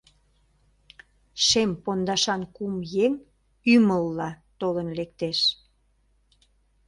Шем пондашан кум еҥ ӱмылла толын лектеш.